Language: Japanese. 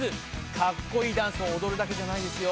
かっこいいダンスを踊るだけじゃないですよ。